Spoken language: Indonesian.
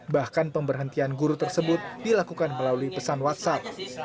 bahkan pemberhentian guru tersebut dilakukan melalui pesan whatsapp